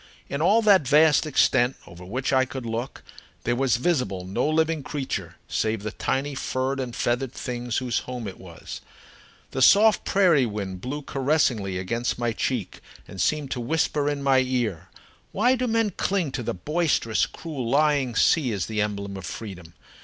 In all that vast extent over which I could look, there was visible no living creature save the tiny furred and feathered things whose home it was. The soft prairie wind blew caressingly against my cheek and seemed to whisper in my ear: "Why do men cling to the boisterous, cruel, lying sea as the emblem of freedom?